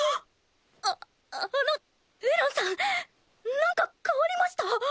ああのエランさんなんか変わりました？